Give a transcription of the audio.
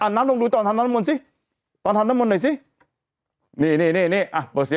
หนับลงดูตอนทำน้ำมนสิตอนทำน้ำมนหน่อยสิ